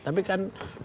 tapi kan politik kan